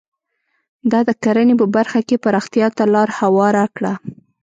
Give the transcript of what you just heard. دا د کرنې په برخه کې پراختیا ته لار هواره کړه.